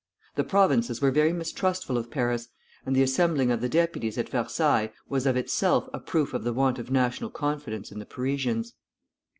The Provinces were very mistrustful of Paris, and the assembling of the deputies at Versailles was of itself a proof of the want of national confidence in the Parisians.